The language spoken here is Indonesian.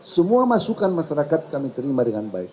semua masukan masyarakat kami terima dengan baik